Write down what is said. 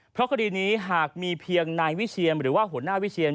เพราะคดีนี้หากมีเพียงนายวิเชียนหรือว่าหัวหน้าวิเชียน